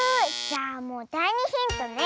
じゃあもうだい２ヒントね。